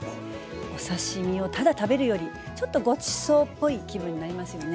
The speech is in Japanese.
お刺身をただ食べるよりちょっとごちそうっぽい気分になりますよね。